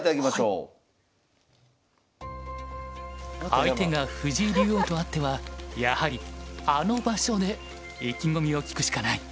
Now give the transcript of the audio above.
相手が藤井竜王とあってはやはりあの場所で意気込みを聞くしかない。